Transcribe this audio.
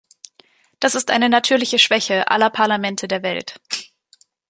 Das ist eine natürliche Schwäche aller Parlamente der Welt.